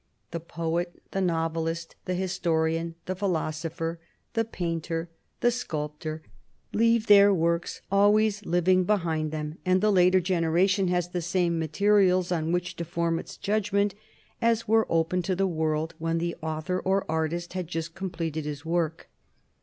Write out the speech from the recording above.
The poet, the novelist, the historian, the philosopher, the painter, the sculptor, leave their works always living behind them, and the later generation has the same materials on which to form its judgment as were open to the world when the author or artist had just completed his work.